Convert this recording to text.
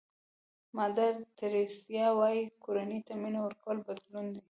مادر تریسیا وایي کورنۍ ته مینه ورکول بدلون دی.